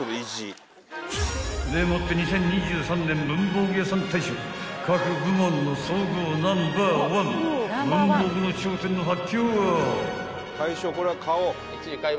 ［でもって２０２３年文房具屋さん大賞各部門の総合ナンバーワン文房具の頂点の発表］